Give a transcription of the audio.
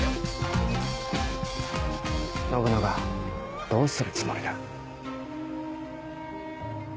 信長どうするつもりだ？